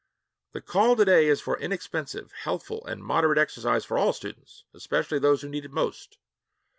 The call to day is for inexpensive, healthful, and moderate exercise for all students, especially those who need it most.